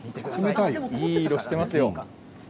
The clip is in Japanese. いい色していますよ。